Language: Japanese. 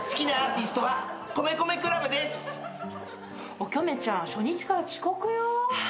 おきょめちゃん初日から遅刻よ。